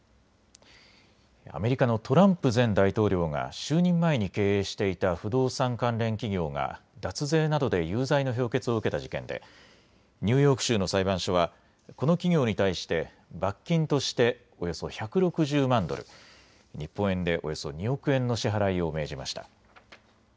アメリカのトランプ前大統領が就任前に経営していた不動産関連企業が脱税などで有罪の評決を受けた事件でニューヨーク州の裁判所はこの企業に対して罰金としておよそ１６０万ドル、日本円でおよそ２億円の支払いを命じました。